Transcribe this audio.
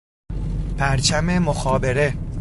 پرچم مخابره